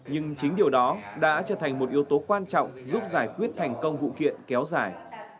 nhưng chính điều đó đã trở thành một yếu tố quan trọng giúp giải quyết thành công vụ kiện kéo dài